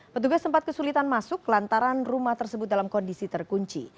petugas sempat kesulitan masuk lantaran rumah tersebut dalam kondisi terkunci